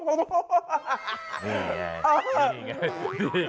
หุ่นแล้วหมดแล้ว